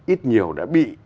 ít nhiều đã bị